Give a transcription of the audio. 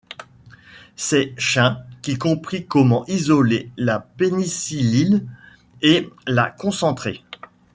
C'est Chain qui comprit comment isoler la pénicilline et la concentrer.